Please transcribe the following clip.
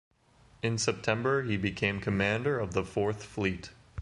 In September he became commander of the Fourth Fleet.